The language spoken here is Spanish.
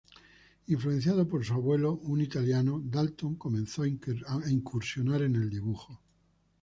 Influenciado por su abuelo, un italiano, Dalton comenzó a incursionar en el dibujo.